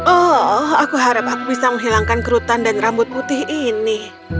oh aku harap aku bisa menghilangkan kerutan dan rambut putih ini